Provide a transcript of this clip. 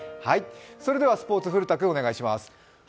それではスポーツ、古田君お願いします。